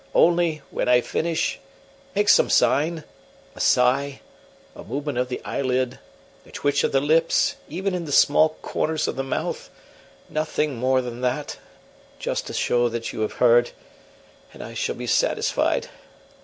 Only, when I finish, make some sign a sigh, a movement of the eyelid, a twitch of the lips, even in the small corners of the mouth; nothing more than that, just to show that you have heard, and I shall be satisfied.